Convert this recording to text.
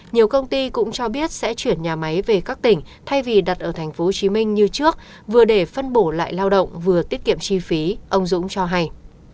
nhiều công ty cũng cho biết sẽ chuyển nhà máy về các tỉnh thay vì đặt ở tp hcm như trước vừa để phân bổ lại lao động vừa tiết kiệm chi phí ông dũng cho hay